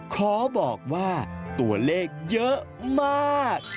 ขอบอกว่าตัวเลขเยอะมาก